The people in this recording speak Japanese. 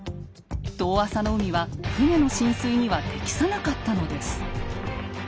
遠浅の海は船の進水には適さなかったのです。